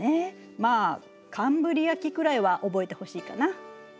まあカンブリア紀くらいは覚えてほしいかな。